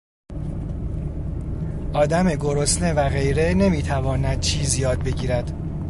آدم گرسنه و غیره نمیتواند چیز یاد بگیرد.